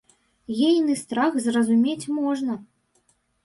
Ейны страх зразумець можна.